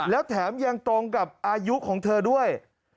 แล้วแถมยังตรงกับอายุของเธอด้วย